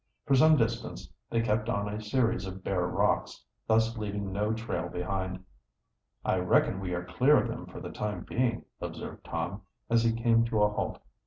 For some distance they kept on a series of bare rocks, thus leaving no trail behind. "I reckon we are clear of them for the time being," observed Tom, as he came to a halt.